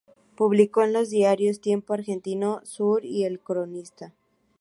Publicó en los diarios "Tiempo Argentino", "Sur" y "El Cronista".